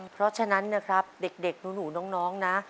เพราะฉะนั้นนะครับเด็กหนูน้องนะ